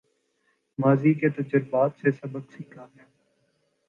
ماضی کے تجربات سے سبق سیکھا ہے